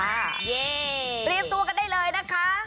มีตรีบตัวกันได้เลยนะคะ